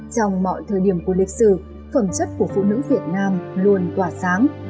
trong mọi thời điểm của lịch sử phẩm chất của phụ nữ việt nam luôn tỏa sáng